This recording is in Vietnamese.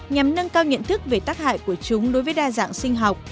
nhằm nâng cao nhận thức về tác hại của chúng đối với đa dạng sinh học